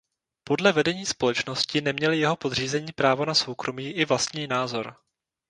Podle vedení společnosti neměli jeho podřízení právo na soukromí i vlastní názor.